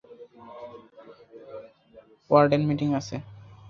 Warden meeting আছে।